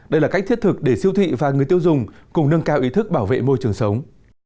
đây là cách thiết thực để siêu thị và người tiêu dùng cùng nâng cao ý thức bảo vệ môi trường sống